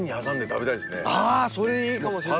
ああそれいいかもしれないですね！